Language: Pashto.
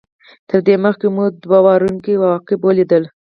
تر دې مخکې مو دوه ورانوونکي عواقب ولیدل.